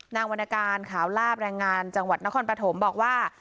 วรรณการขาวลาบแรงงานจังหวัดนครปฐมบอกว่า